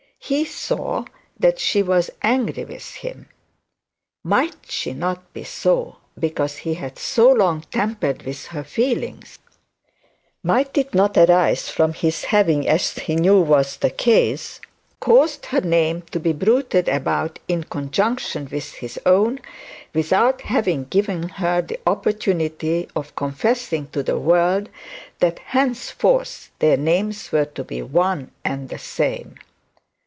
He saw that she was angry with him. Might she not be so because he had so long tampered with her feelings, might it not arise from his having, as he knew to be the case, caused her name to be bruited about in conjunction with his own, without having given her the opportunity of confessing to the world that henceforth their names were to be the one and the same?